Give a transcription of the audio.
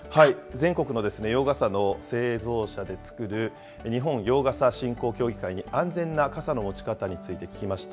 全国の洋傘の製造者で作る日本洋傘振興協議会に安全な傘の持ち方について聞きました。